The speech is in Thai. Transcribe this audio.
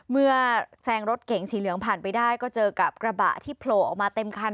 แซงรถเก๋งสีเหลืองผ่านไปได้ก็เจอกับกระบะที่โผล่ออกมาเต็มคัน